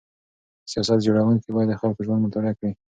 سیاست جوړونکي باید د خلکو ژوند مطالعه کړي.